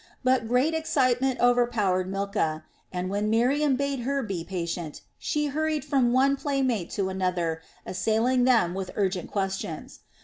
But great excitement overpowered Milcah and, when Miriam bade her be patient, she hurried from one playmate to another assailing them with urgent questions.